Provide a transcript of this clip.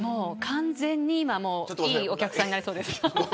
完全にいいお客さんになりそうです。